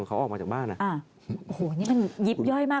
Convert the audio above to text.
คุณจอมขวัญเอาตรงไหม